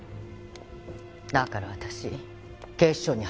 だから私警視庁に入ったの。